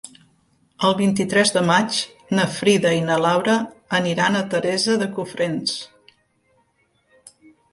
El vint-i-tres de maig na Frida i na Laura aniran a Teresa de Cofrents.